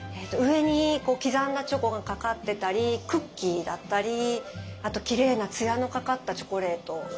上に刻んだチョコがかかってたりクッキーだったりきれいなツヤのかかったチョコレート。